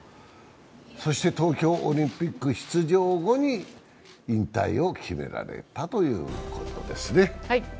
そして東京オリンピック出場後に引退を決められたということですね。